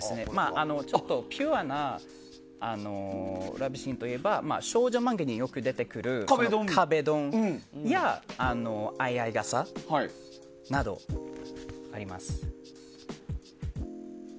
ピュアなラブシーンといえば少女漫画によく出てくる壁ドンや相合い傘などもあります。